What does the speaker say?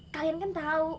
kalian kan tau